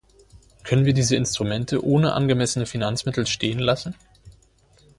Können wir diese Instrumente ohne angemessene Finanzmittel stehen lassen?